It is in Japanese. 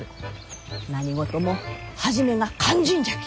何事も初めが肝心じゃき！